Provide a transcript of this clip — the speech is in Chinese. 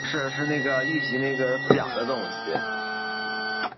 大杉氏蚜为短痣蚜科伪短痣蚜属下的一个种。